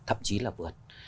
thậm chí là vượt